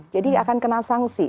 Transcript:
jadi akan kena sanksi